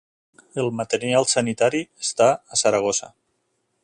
El material sanitari està a Saragossa